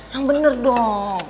yang bener dong